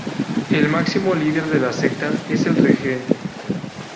El máximo líder de la secta es el Regente.